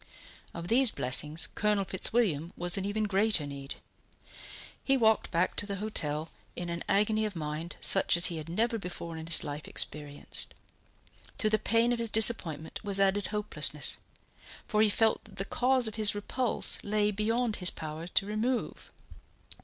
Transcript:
Of these blessings Colonel Fitzwilliam was in even greater need. He walked back to the hotel in an agony of mind such as he had never before in his life experienced. To the pain of his disappointment was added hopelessness, for he felt that the cause of his repulse lay beyond his power to remove.